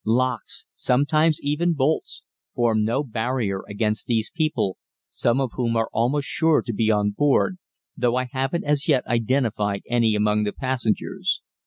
Locks, sometimes even bolts, form no barrier against these people, some of whom are almost sure to be on board, though I haven't as yet identified any among the passengers.